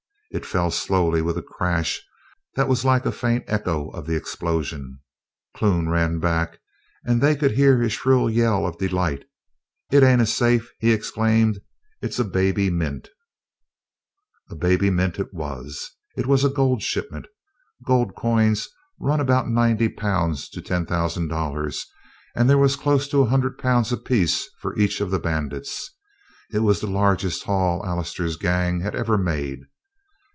It fell slowly, with a crash that was like a faint echo of the explosion. Clune ran back, and they could hear his shrill yell of delight: "It ain't a safe!" he exclaimed. "It's a baby mint!" And a baby mint it was! It was a gold shipment. Gold coin runs about ninety pounds to ten thousand dollars, and there was close to a hundred pounds apiece for each of the bandits. It was the largest haul Allister's gang had ever made.